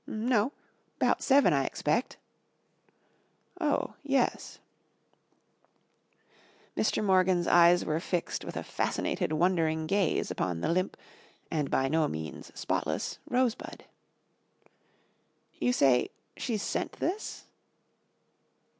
"No. 'Bout seven, I expect." "Oh, yes." Mr. Morgan's eyes were fixed with a fascinated wondering gaze upon the limp, and by no means spotless, rose bud. "You say she sent this?"